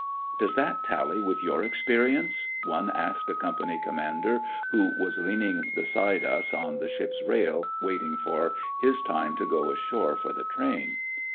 " Does that tally with your experi ence ?*' one asked a Company Com mander who was leaning beside us on the ship's rail waiting for his time to go ashore for the train.